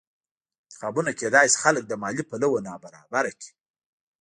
انتخابونه کېدای شي خلک له مالي پلوه نابرابره کړي